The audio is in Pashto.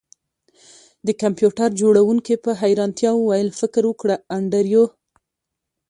د کمپیوټر جوړونکي په حیرانتیا وویل فکر وکړه انډریو